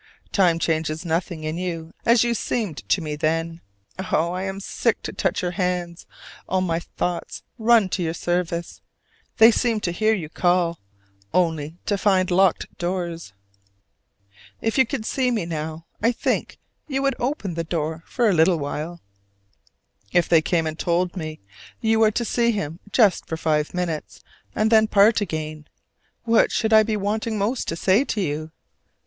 Time changes nothing in you as you seemed to me then. Oh, I am sick to touch your hands: all my thoughts run to your service: they seem to hear you call, only to find locked doors. If you could see me now I think you would open the door for a little while. If they came and told me "You are to see him just for five minutes, and then part again" what should I be wanting most to say to you?